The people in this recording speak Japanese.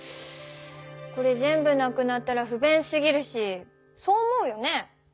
これ全部なくなったらふべんすぎるしそう思うよね？